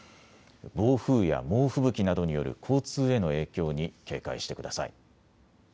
暴風や猛吹雪などによる交通への影響に警戒してください。